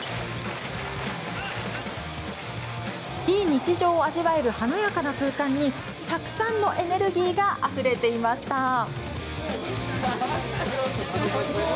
非日常を味わえる華やかな空間にたくさんのエネルギーがあふれていました。